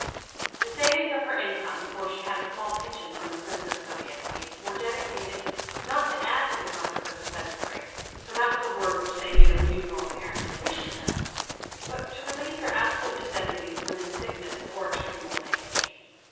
The savings of her income, for she had a small pension from the Princess Sobieski, were dedicated, not to add to the comforts of the peasantry, for that was a word which they neither knew nor apparently wished to know, but to relieve their absolute necessities when in sickness or extreme old age.